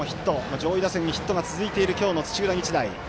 上位打線にヒットが続いている今日の土浦日大。